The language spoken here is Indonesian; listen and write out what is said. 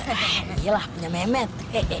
eh gila punya memet